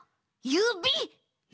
ゆび！？